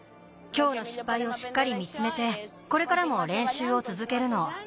きょうのしっぱいをしっかり見つめてこれからも練習をつづけるの。